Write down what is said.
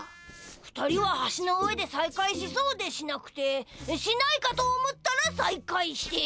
２人は橋の上でさいかいしそうでしなくてしないかと思ったらさいかいして。